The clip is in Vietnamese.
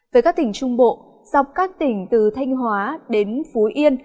với các tỉnh trung bộ dọc các tỉnh từ thanh hóa đến phú yên